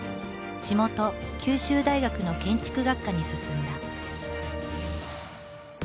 地元九州大学の建築学科に進んだ。